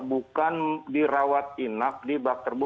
bukan dirawat inap di bak terbuka